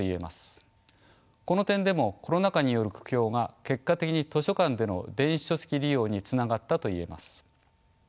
この点でもコロナ禍による苦境が結果的に図書館での電子書籍利用につながったといえます。